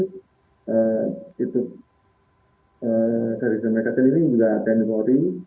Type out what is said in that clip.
satya sdmk ten ini juga ten polri